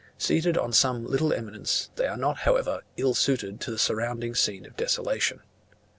Seated on some little eminence, they are not, however, ill suited to the surrounding scene of desolation.